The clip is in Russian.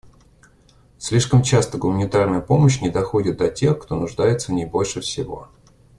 Слишком часто гуманитарная помощь не доходит до тех, кто нуждается в ней больше всего.